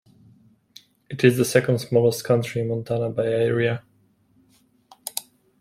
It is the second-smallest county in Montana by area.